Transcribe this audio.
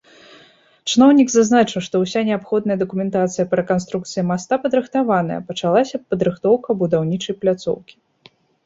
Чыноўнік зазначыў, што ўся неабходная дакументацыя па рэканструкцыі моста падрыхтаваная, пачалася падрыхтоўка будаўнічай пляцоўкі.